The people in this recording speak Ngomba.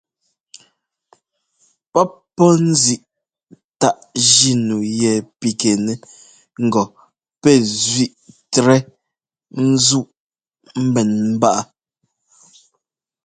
Pɔ́p pɔ́ ńzíꞌ táꞌ jínu yɛ pigɛnɛ ŋgɔ pɛ́ zẅíꞌtɛ ńzúꞌ ḿbɛn ḿbáꞌ.